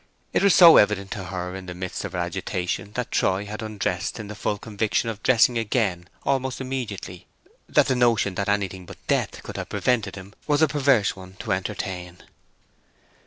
It was so evident to her in the midst of her agitation that Troy had undressed in the full conviction of dressing again almost immediately, that the notion that anything but death could have prevented him was a perverse one to entertain.